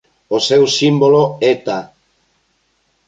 O seu símbolo é Ta.